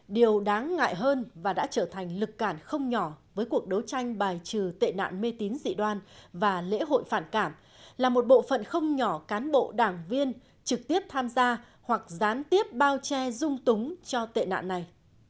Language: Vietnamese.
điều đáng ngại hơn và đã trở thành lực cản không nhỏ với cuộc đấu tranh bài trừ tệ nạn mê tín dị đoan và lễ hội phản cảm là một bộ phận không nhỏ cán bộ đảng viên trực tiếp tham gia hoặc gián tiếp bao che dung túng cho tệ nạn này